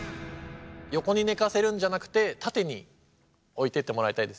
横に寝かせるんじゃなくて縦に置いてってもらいたいです。